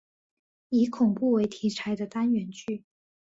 以恐怖为题材的单元剧。